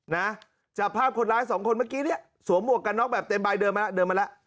นะจับภาพคนร้ายสองคนเมื่อกี้เนี่ยสวมหวกกันน็อกแบบเต็มใบเดินมาแล้วเดินมาแล้ว